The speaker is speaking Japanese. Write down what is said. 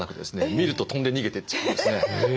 見ると飛んで逃げてっちゃうんですね。